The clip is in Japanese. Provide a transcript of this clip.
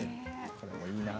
これもいいなあ。